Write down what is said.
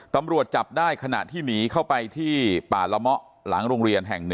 ตำรวจจับได้ขณะที่หนีเข้าไปที่ป่าละเมาะหลังโรงเรียนแห่ง๑